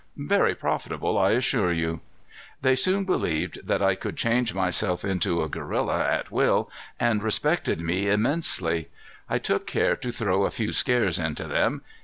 Very profitable, I assure you. "They soon believed that I could change myself into a gorilla at will and respected me immensely. I took care to throw a few scares into them.